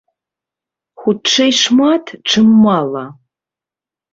Хутчэй шмат, чым мала.